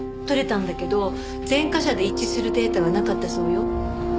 採れたんだけど前科者で一致するデータはなかったそうよ。